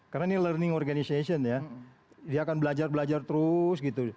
karena ini learning organization ya dia akan belajar belajar terus gitu